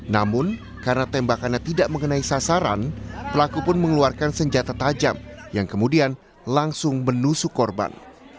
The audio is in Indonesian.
namun karena tembakannya tidak mengenai sasaran pelaku pun mengeluarkan senjata tajam yang kemudian langsung menusuk korban